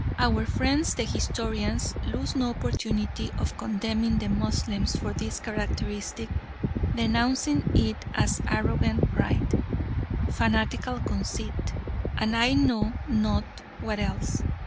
Our friends the historians lose no opportunity of condemning the Moslems for this characteristic, denouncing it as "arrogant pride," "fanatical conceit," and I know not what else.